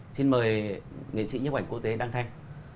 xin mời nghệ sĩ nhấp ảnh quốc tế đăng thanh